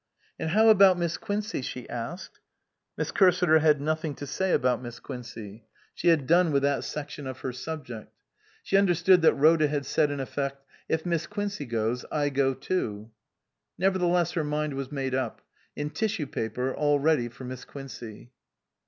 " And how about Miss Quincey ?" she asked. Miss Cursiter had nothing to say about Miss Quincey. She had done with that section of her subject. She understood that Rhoda had said in effect, " If Miss Quincey goes, I go too." Nevertheless her mind was made up ; in tissue paper, all ready for Miss Quincey.